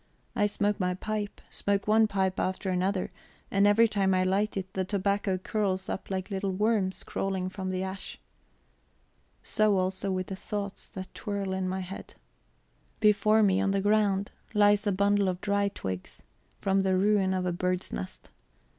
I smoke my pipe, smoke one pipe after another; and every time I light it, the tobacco curls up like little worms crawling from the ash. So also with the thoughts that twirl in my head. Before me, on the ground, lies a bundle of dry twigs, from the ruin of a bird's nest.